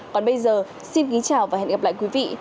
còn bây giờ xin kính chào và hẹn gặp lại quý vị